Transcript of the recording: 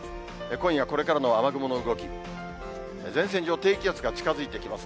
今夜これからの雨雲の動き、前線上、低気圧が近づいてきます。